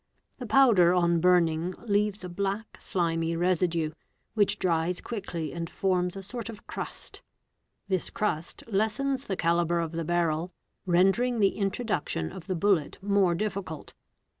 : Sa he powder on burning leaves a black, slimy residue, which dries quickly ; and forms a sort of crust. This crust lessens the calibre of the barrel, rendering the introduction of the bullet more difficult.